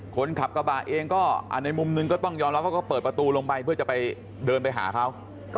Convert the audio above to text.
คนขับกระบะเองก็ในมุมหนึ่งก็ต้องยอมรับว่าก็เปิดประตูลงไปเพื่อจะไปเดินไปหาเขา